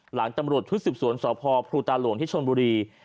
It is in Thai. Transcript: หลังตำรวจชุดสืบสวนสพภูตาหลวงที่ชนบุรี